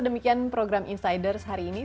dan demikian program insider sehari ini